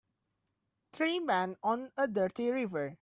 Three men on a dirty river.